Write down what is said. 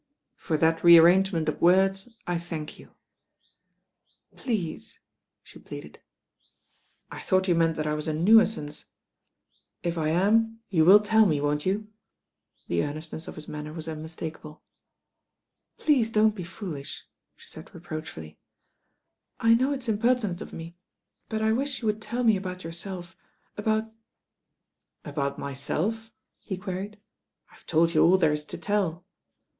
••For that re arrangement of words I thank you." ••Please," she pleaded. •'I thought you meant that I was a nuisance. If A QUESTION OF ANKLES 191 h : earnestness I am you will tell me, won't you?" 1 of his manner was unmistakable. ^ "Please don't be foolish," she said reproachfully. 1 know It s impertinent of me ; but I wish you would tell me about yourself, about " "About myself?" he queried. "I've told you aU there is to tell."